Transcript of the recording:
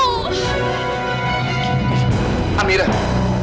lalu mencari hati saya